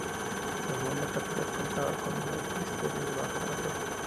La segunda catedral contaba con el bautisterio debajo de la torre.